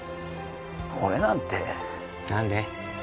俺なんて何で？